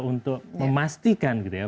untuk memastikan gitu ya